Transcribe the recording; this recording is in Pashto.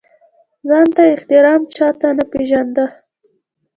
ځان ته احترام چا نه پېژانده.